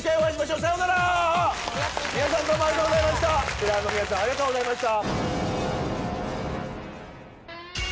テラーの皆さんありがとうございました。